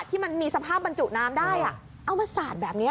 ที่มันมีสภาพบรรจุน้ำได้เอามาสาดแบบนี้